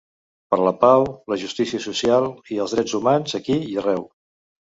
Per la pau, la justícia social i els drets humans aquí i arreu .